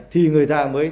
thì người ta mới